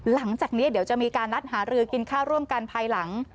หลังจากนี้เดี๋ยวจะมีการนัดหารือกินข้าวร่วมกันภายหลัง